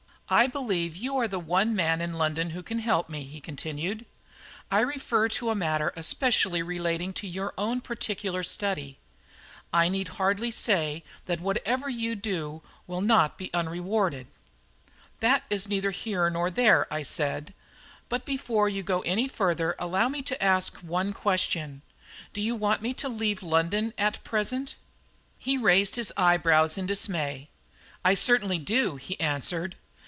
"I believe you are the one man in London who can help me," he continued. "I refer to a matter especially relating to your own particular study. I need hardly say that whatever you do will not be unrewarded." "That is neither here nor there," I said; "but before you go any further, allow me to ask one question. Do you want me to leave London at present?" He raised his eyebrows in dismay. "I certainly do," he answered.